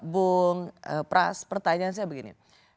bung pras pertanyaan saya begini